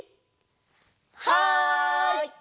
はい！